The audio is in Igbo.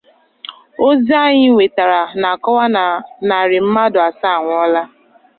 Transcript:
Ozi anyị nwetere na-akọwa na narị mmadụ asaa anwụọla